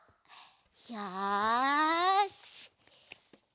よし！